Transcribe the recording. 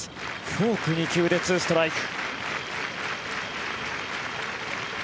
フォーク２球で２ストライク。